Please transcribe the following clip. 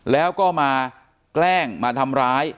แล้วก็มาแกล้งมาทำร้าย